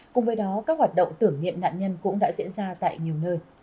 cùng với đó các hoạt động tưởng niệm nạn nhân cũng đã diễn ra tại nhiều nơi